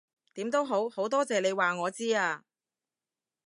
點都好，好多謝你話我知啊